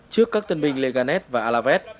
trước các tân binh leganet và alavet